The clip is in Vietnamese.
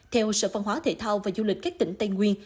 theo sở văn hóa thể thao và du lịch các tỉnh tây nguyên